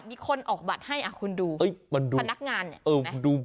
มีบัตรประชานก